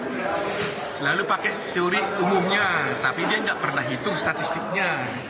selalu pakai teori umumnya tapi dia nggak pernah hitung statistiknya